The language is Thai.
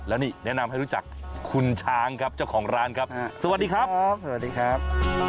แล้วนี่แนะนำให้รู้จักคุณช้างครับเจ้าของร้านครับสวัสดีครับสวัสดีครับ